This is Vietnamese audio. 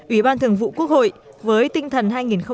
ủy ban thường vụ quốc hội với tinh thần hai nghìn hai mươi